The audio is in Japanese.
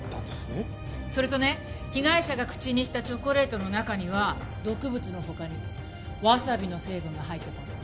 それとね被害者が口にしたチョコレートの中には毒物の他にわさびの成分が入ってたって。